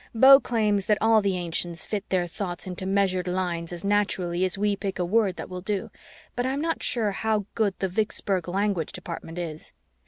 Beau claims that all the ancients fit their thoughts into measured lines as naturally as we pick a word that will do, but I'm not sure how good the Vicksburg language department is.